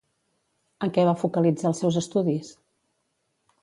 En què va focalitzar els seus estudis?